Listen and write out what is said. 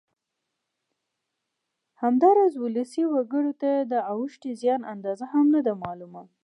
همداراز ولسي وګړو ته د اوښتې زیان اندازه هم نه ده معلومه